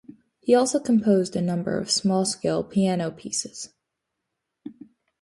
He also composed a number of small scale piano pieces.